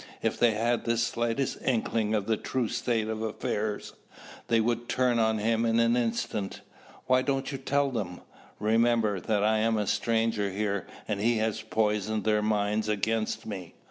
If they had the slightest inkling of the true state of affairs, they would turn on him in an instant." "Why don't you tell them?" "Remember that I am a stranger here and he has poisoned their minds against me.